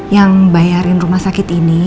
yang bayarin rumah sakit ini